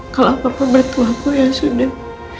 kalau apa apa bertuahku yang sudah